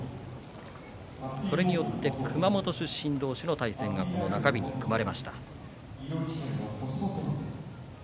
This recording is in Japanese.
それによって熊本出身同士の対戦が中日に組まれました。